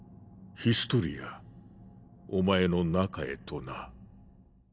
ヒストリアお前の中へとな。